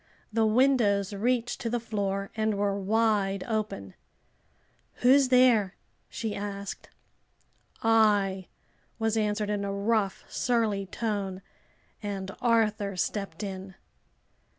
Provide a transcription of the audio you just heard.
The windows reached to the floor and were wide open. "Who's there?" she asked. "I," was answered, in a rough, surly tone, and Arthur stepped in.